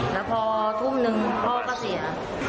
แล้วพอทุ่มนึงพ่อก็เสีย